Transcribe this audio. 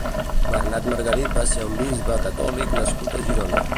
Bernat Margarit va ser un bisbe catòlic nascut a Girona.